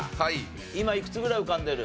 今いくつぐらい浮かんでる？